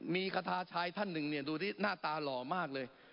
มีคาทาชายท่านหนึ่งเนี่ยดูที่หน้าตาหล่อมากเลย